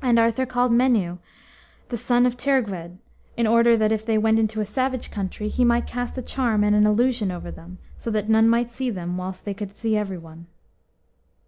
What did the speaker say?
And Arthur called Meneu, the son of Teirgwed, in order that, if they went into a savage country, he might cast a charm and an illusion over them, so that none might see them, whilst they could see every one.